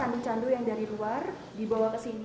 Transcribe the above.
kandung candu yang dari luar dibawa ke sini